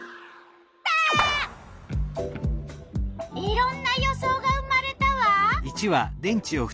いろんな予想が生まれたわ。